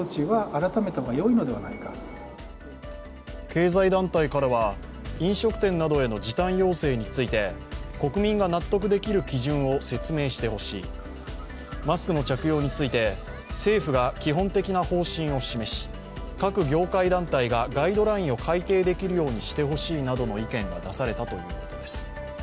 経済団体からは、飲食店などへの時短要請について国民が納得できる基準を説明してほしい、マスクの着用について政府が基本的な方針を示し各業界団体がガイドラインを改定できるようにしてほしいなどの意見が出されたということです。